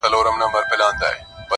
کرۍ ورځ به کړېدی د زوی له غمه.!